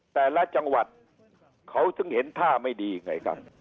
แต่ละจังหวัดเขาถึงเห็นท่าไม่ดีไงครับ